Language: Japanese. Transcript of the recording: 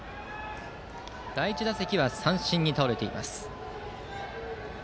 第１打席は三振に倒れています。